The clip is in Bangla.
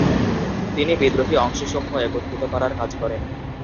তিনি বিদ্রোহী অংশসমূহ একত্রিত করার কাজ করেন।